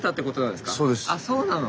あそうなの。